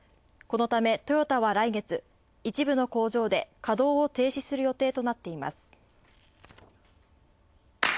このためトヨタは来月一部の工場で、稼働を停止する予定となっています。